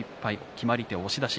決まり手押し出し。